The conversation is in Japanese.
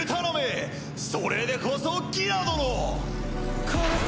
それでこそギラ殿！